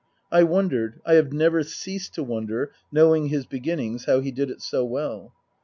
I wondered, I have never ceased to wonder, knowing his beginnings, how he did it so well.